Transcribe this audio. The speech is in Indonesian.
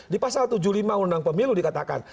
di pasal tujuh puluh lima undang pemilu dikatakan